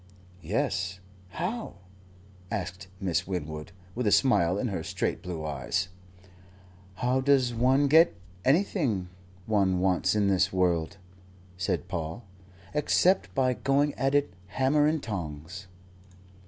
"Yes, how?" asked Miss Winwood, with a smile in her straight blue eyes. "How does one get anything one wants in this world," said Paul, "except by going at it, hammer and tongs?"